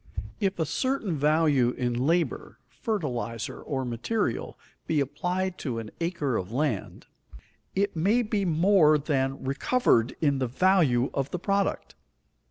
If a certain value in labor, fertilizer, or material, be applied to an acre of land, it may be more than recovered in the value of the product.